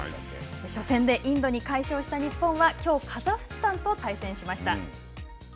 初戦でインドに快勝した日本はきょうカザフスタンと対戦しました。